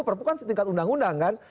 perpu kan setingkat undang undang kan